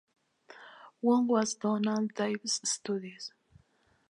One was Donald Davies' studies.